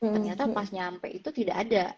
ternyata pas nyampe itu tidak ada